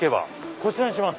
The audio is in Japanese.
こちらにします。